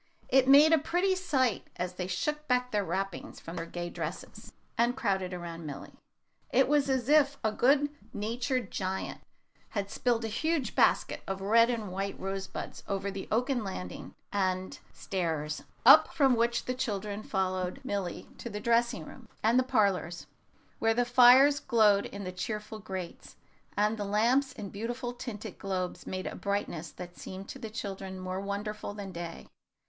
It made a pretty sight as they shook back their wrappings from their gay dresses, and crowded around Milly. It was as if a good natured giant had spilled a huge basket of red and white rose buds over the oaken landing and stairs, up which the children followed Milly to the dressing room and the parlors, where the fires glowed in the cheerful grates, and the lamps in beautiful tinted globes made a brightness that seemed to the children more wonderful than day.